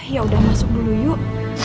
yaudah masuk dulu yuk